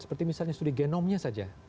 seperti misalnya studi genomnya saja